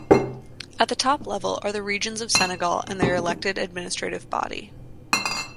At the top level are the Regions of Senegal and their elected administrative body.